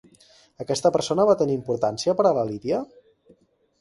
Aquesta persona va tenir importància per a la Lidia?